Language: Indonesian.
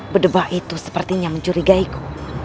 bedebak itu sepertinya mencurigaiku